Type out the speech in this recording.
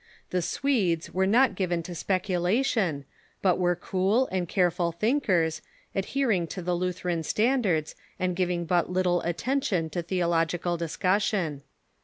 The Swedes were not given to speculation, but were cool and careful thinkers, adhering to the Lutheran standards, and giving but little attention to theological dis cussion.